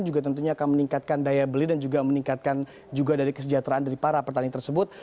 juga tentunya akan meningkatkan daya beli dan juga meningkatkan juga dari kesejahteraan dari para petani tersebut